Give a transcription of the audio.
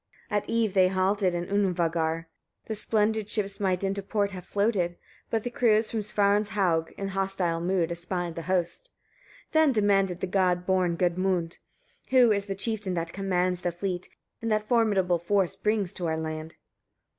31. At eve they halted in Unavagar; the splendid ships might into port have floated, but the crews, from Svarinshaug, in hostile mood, espied the host. 32. Then demanded the god born Gudmund: "Who is the chieftain that commands the fleet, and that formidable force brings to our land?"